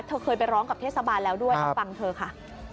เธอเคยไปร้องกับเทศบาลแล้วด้วยเอาฟังเธอค่ะ